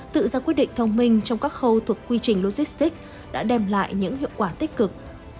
tự ra quyết định thông minh trong các khâu thuộc quy trình logistics đã đem lại những hiệu quả tích cực